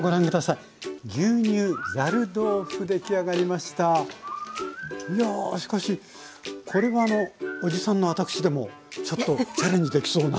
いやしかしこれはおじさんの私でもちょっとチャレンジできそうな。